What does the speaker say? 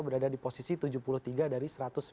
berada di posisi tujuh puluh tiga dari satu ratus sembilan puluh